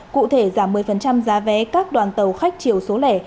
cụ thể giảm một mươi giá vé các đoàn tàu khách chiều số lẻ